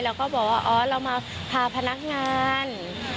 แล้วก็บอกว่าอ๋อเรามาพาพนักงาน